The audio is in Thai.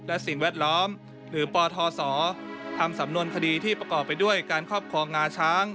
และสิ่งแวดล้อมหรือปทศทำสำนวนคดีที่ประกอบไปด้วยการครอบครองงาช้าง